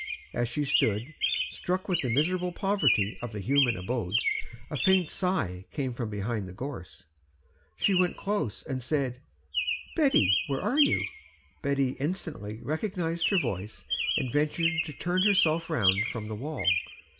As she stood, struck with the miserable poverty of the human abode, a faint sigh came from behind the gorse. She went close and said, "Betty, where are you?" Betty instantly recognised her voice, and ventured to turn herself round from the wall.